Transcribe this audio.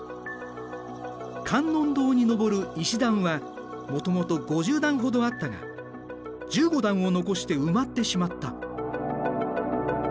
観音堂に上る石段はもともと５０段ほどあったが１５段を残して埋まってしまった。